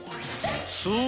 そう！